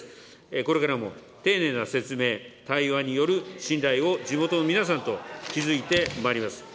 これからも丁寧な説明、対話による信頼を地元の皆さんと築いてまいります。